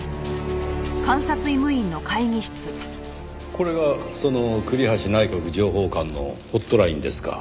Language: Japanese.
これがその栗橋内閣情報官のホットラインですか？